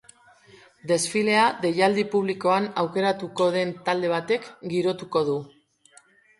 Desfilea deialdi publikoan aukeratuko den talde batek girotuko du.